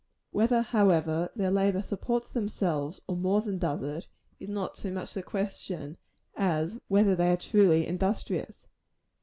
Whether, however, their labor supports themselves, or more than does it, is not so much the question, as whether they are truly industrious.